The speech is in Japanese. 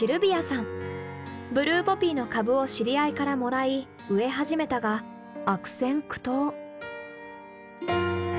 ブルーポピーの株を知り合いからもらい植え始めたが悪戦苦闘。